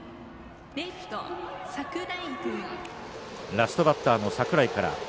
ラストバッターの櫻井から。